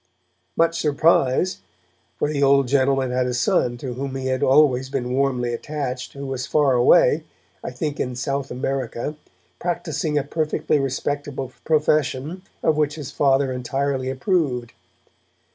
Much surprise for the old gentleman had a son to whom he had always been warmly attached, who was far away, I think in South America, practising a perfectly respectable profession of which his father entirely approved.